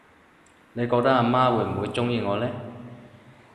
你覺得阿媽會唔會鍾意我呢？